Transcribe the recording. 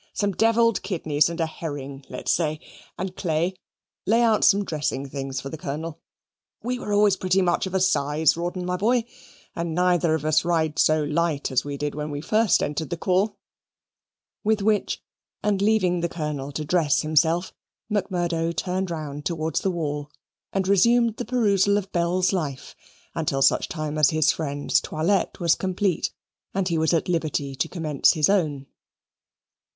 Some devilled kidneys and a herring let's say. And, Clay, lay out some dressing things for the Colonel: we were always pretty much of a size, Rawdon, my boy, and neither of us ride so light as we did when we first entered the corps." With which, and leaving the Colonel to dress himself, Macmurdo turned round towards the wall, and resumed the perusal of Bell's Life, until such time as his friend's toilette was complete and he was at liberty to commence his own.